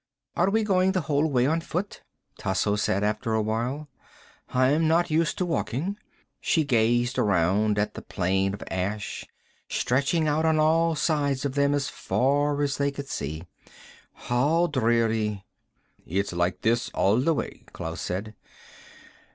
"Are we going the whole way on foot?" Tasso said, after awhile. "I'm not used to walking." She gazed around at the plain of ash, stretching out on all sides of them, as far as they could see. "How dreary." "It's like this all the way," Klaus said.